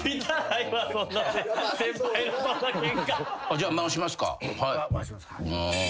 じゃあ回しますか。